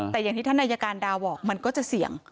แต่อย่างที่ท่านอายการดาวบอกมันก็จะเสี่ยง